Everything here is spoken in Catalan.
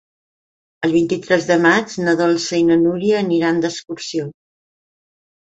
El vint-i-tres de maig na Dolça i na Núria aniran d'excursió.